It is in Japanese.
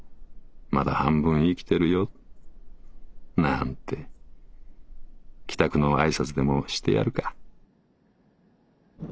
まだ半分生きてるよ？』なんて帰宅の挨拶でもしてやるか」。